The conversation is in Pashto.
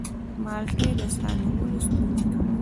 مالټې د ساه نیولو ستونزې کموي.